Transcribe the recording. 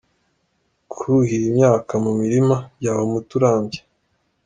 Kuhira imyaka mu mirima byaba umuti urambye.